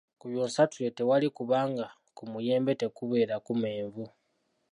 Ku byonsatule tewali kubanga ku muyembe tekubeerako menvu.